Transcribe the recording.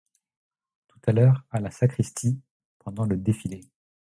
Tout à l'heure, à la sacristie, pendant le défilé.